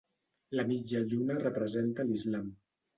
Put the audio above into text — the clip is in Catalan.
La mitja lluna representa l'Islam.